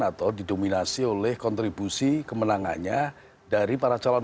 atau didominasi oleh kontribusi kemenangannya dari para calon